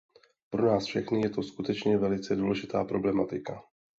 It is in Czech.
Pro nás všechny je to skutečně velice důležitá problematika.